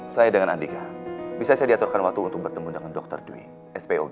saya dengan andika bisa saya diaturkan waktu untuk bertemu dengan dokter dwi spod